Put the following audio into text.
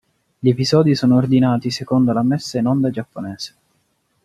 Gli episodi sono ordinati secondo la messa in onda giapponese.